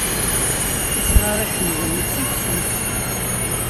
Asɣar iḥemḍen ittifsus.